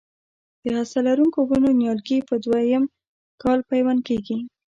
د هسته لرونکو ونو نیالګي په دوه یم کال پیوند کېږي.